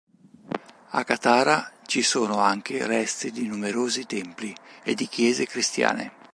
A Katara ci sono anche resti di numerosi templi, e di chiese cristiane.